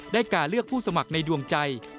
การเลือกผู้สมัครในดวงใจ